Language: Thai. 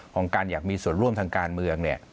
ของการอยากมีส่วนร่วมทางการเมือง